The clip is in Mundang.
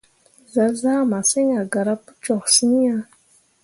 Zah zaa masǝŋ a gara pu toksyiŋ ah.